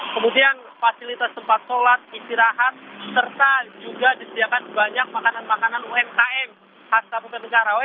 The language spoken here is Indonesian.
kemudian fasilitas tempat sholat istirahat serta juga disediakan banyak makanan makanan umkm khas kabupaten karawang